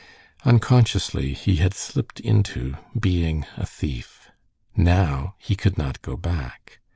Unconsciously he had slipped into being a thief. Now he could not go back.